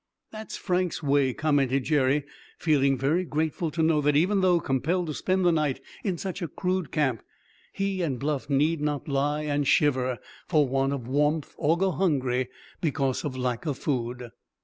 "That's Frank's way," commented Jerry, feeling very grateful to know that even though compelled to spend the night in such a crude camp he and Bluff need not lie and shiver for want of warmth or go hungry because of lack of food.